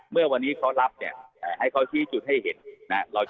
เมื่อวันนี้เขารับเนี่ยให้เขาชี้จุดให้เห็นนะครับ